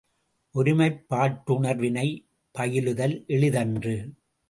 ஒருமைப்பாட்டுணர்வினைப் பயிலுதல் எளிதன்று.